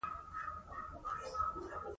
اوومه ورځ سنباد وروستۍ کیسه وکړه.